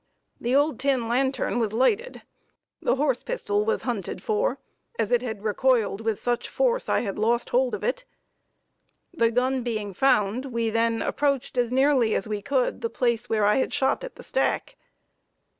The old tin lantern was lighted. The horse pistol was hunted for, as it had recoiled with such force I had lost hold of it. The gun being found, we then approached as nearly as we could the place where I had shot at the stack.